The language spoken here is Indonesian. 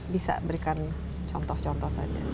bisa berikan contoh contoh saja